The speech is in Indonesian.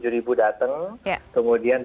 tujuh puluh tujuh ribu datang kemudian